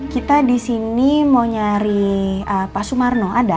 kita disini mau nyari pak sumarno ada